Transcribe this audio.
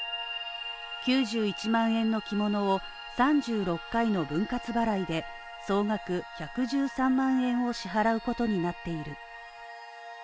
９１万円の着物を３６回の分割払いで総額１１３万円を支払うことになっている。